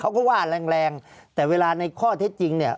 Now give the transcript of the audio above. ภารกิจสรรค์ภารกิจสรรค์